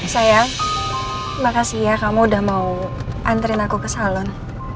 saya makasih ya kamu udah mau antri aku ke salon